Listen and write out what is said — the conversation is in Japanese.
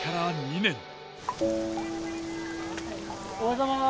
おはようございます！